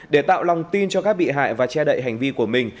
để tạo lòng tin cho các bị hại và che đậy hành vi của mình